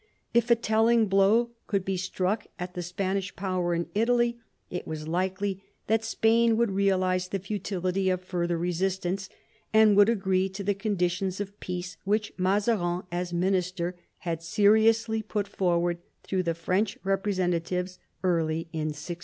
If a telling blow could be struck at the Spanish power in Italy, it was likely that Spain would realise the futility of further resistance, and would agree to the conditions of peace which Mazarin as minister had seriously put forward through the French representatives early in 1646.